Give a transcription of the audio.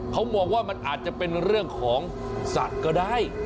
เขามองว่ามันอาจจะเป็นเรื่องของสัตว์ก็ได้